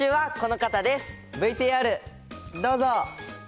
ＶＴＲどうぞ。